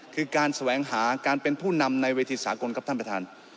คือการแสวงหาการเป็นผู้นำในเวทีสากลครับท่านประธาน